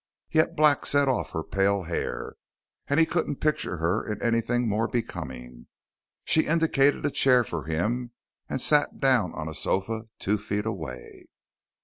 Yet black set off her pale hair, and he couldn't picture her in anything more becoming. She indicated a chair for him and sat down on a sofa two feet away.